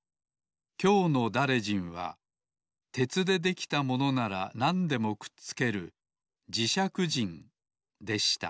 きょうのだれじんは鉄でできたものならなんでもくっつけるじしゃくじんでした